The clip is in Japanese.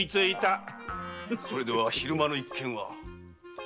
それでは昼間の一件は？